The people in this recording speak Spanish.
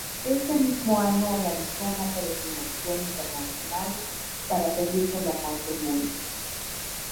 Ese mismo año organizó una peregrinación internacional para pedir por la paz del mundo.